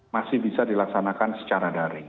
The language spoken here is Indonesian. masih bisa dilaksanakan secara daring